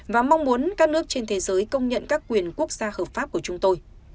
và mong muốn các nước trên thế giới công nhận các quyền quốc gia hợp pháp của chúng tôi